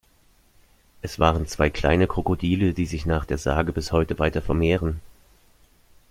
Es waren zwei kleine Krokodile, die sich nach der Sage bis heute weiter vermehren.